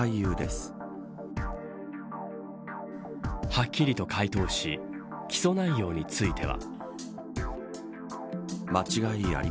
はっきりと回答し起訴内容については。